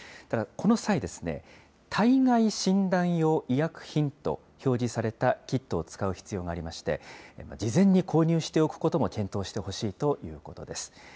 ただこの際、体外診断用医薬品と表示されたキットを使う必要がありまして、事前に購入しておくことも検討してほしいということです。